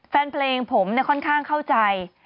แฟนเพลงผมค่อนข้างเข้าใจ